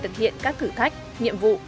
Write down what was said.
thực hiện các thử thách nhiệm vụ